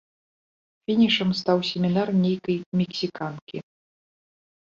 Фінішам стаў семінар нейкай мексіканкі.